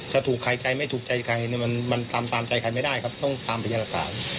ถูกใครใจไม่ถูกใจใครมันทำตามใจใครไม่ได้ครับต้องตามพยานหลักฐาน